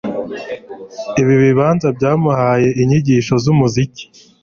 Ibi bibanza byamuhaye inyigisho zumuziki.